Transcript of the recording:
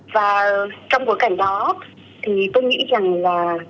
và trong bối cảnh đó thì tôi nghĩ rằng là